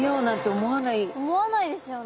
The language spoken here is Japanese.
思わないですよね。